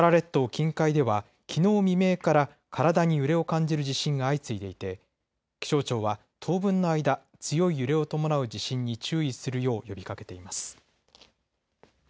近海ではきのう未明から体に揺れを感じる地震が相次いでいて気象庁は当分の間、強い揺れを伴う地震に注意するよう呼びかけています。